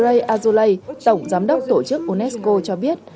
tại lễ kỷ niệm bà audrey azoulay tổng giám đốc tổ chức unesco cho biết